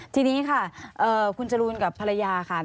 ทีนี้ค่ะคุณจรูนกับภรรยาค่ะ